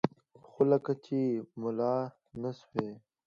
خو لکه چې ملا نه سوې.